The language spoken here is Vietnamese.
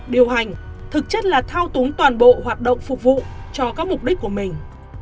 điều hành thực chất là thao túng toàn bộ hoạt động phục vụ cho các mục đích của mình